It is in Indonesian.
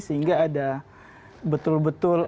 sehingga ada betul betul